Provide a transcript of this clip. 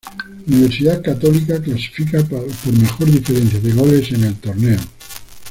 Universidad Católica clasifica por mejor diferencia de goles en el torneo.